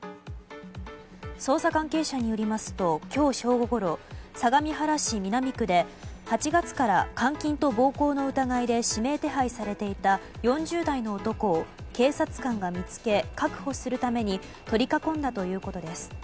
捜査関係者によりますと今日正午ごろ相模原市南区で８月から監禁と暴行の疑いで指名手配されていた４０代の男を警察官が見つけ、確保するために取り囲んだということです。